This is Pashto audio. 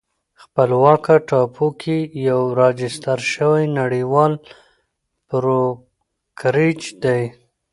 خپلواکه ټاپو کې یو راجستر شوی نړیوال بروکریج دی